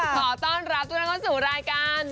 ขอต้อนรับทุกท่านเข้าสู่รายการ